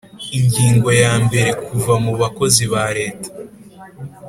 Ingingo ya mbere Kuva mu bakozi ba Leta